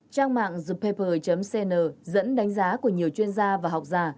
trang mạng thepaper cn dẫn đánh giá của nhiều chuyên gia và học giả